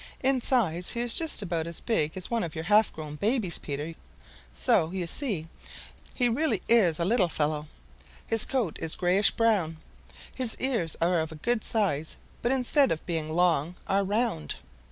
In size he is just about as big as one of your half grown babies, Peter, so, you see, he really is a very little fellow. His coat is grayish brown. His ears are of good size, but instead of being long, are round.